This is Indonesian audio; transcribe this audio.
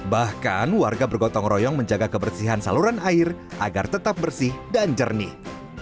bahkan warga bergotong royong menjaga kebersihan saluran air agar tetap bersih dan jernih